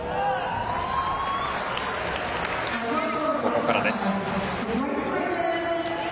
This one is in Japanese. ここからです。